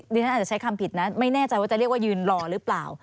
ฉันอาจจะใช้คำผิดนะไม่แน่ใจว่าจะเรียกว่ายืนรอหรือเปล่า